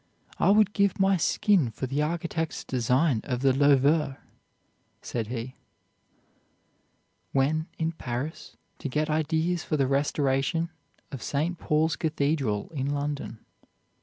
"I would give my skin for the architect's design of the Louvre," said he, when in Paris to get ideas for the restoration of St. Paul's Cathedral in London.